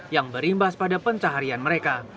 yang berimbas pada pencaharian mereka